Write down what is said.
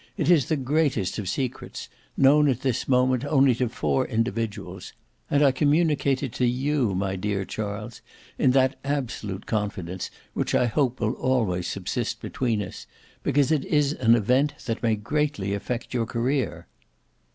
It is the greatest of secrets; known at this moment only to four individuals, and I communicate it to you, my dear Charles, in that absolute confidence which I hope will always subsist between us, because it is an event that may greatly affect your career."